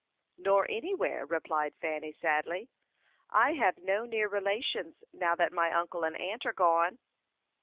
"Nor anywhere," replied Fanny, sadly. "I have no near relations now that my uncle and aunt are gone."